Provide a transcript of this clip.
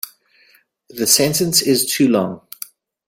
The sentence is too long.